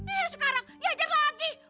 ih sekarang diajar lagi